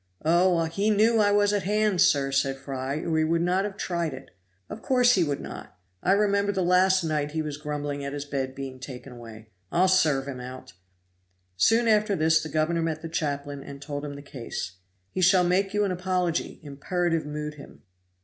"Oh! he knew I was at hand, sir," said Fry, "or he would not have tried it." "Of course he would not; I remember last night he was grumbling at his bed being taken away. I'll serve him out!" Soon after this the governor met the chaplain and told him the case. "He shall make you an apology" imperative mood him.